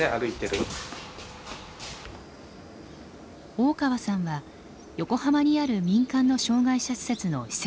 大川さんは横浜にある民間の障害者施設の施設長です。